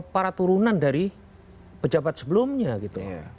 para turunan dari pejabat sebelumnya gitu